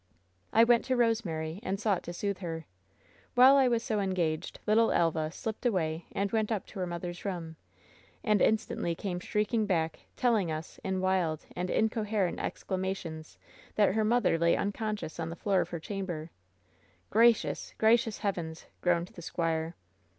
"I went to Rosemary, and sought to soothe her. While I was so engaged little 'Elva slipped away and went up WHEN SHADOWS DDE 111 to her mother's room, and instantly came shrieking back, teUing us, in wild and incoherent exclamations, that her mother lay unconscious on the floor of her chamber "Gracious! Gracious heavens!" groaned the squire.